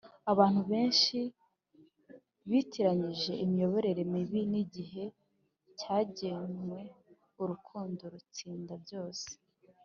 abantu benshi bitiranyije imiyoborere mibi nigihe cyagenweurukundo rutsinda byose